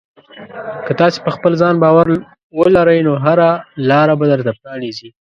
که تاسې په خپل ځان باور ولرئ، نو هره لاره به درته پرانیزي.